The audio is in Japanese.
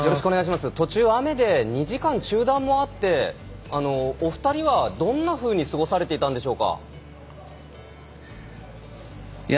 途中雨で２時間中断もあってお二人はどんなふうに過ごされていたんでしょうか？